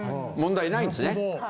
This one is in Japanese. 問題ないんですね。